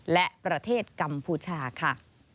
และประเทศกัมพูชาค่ะ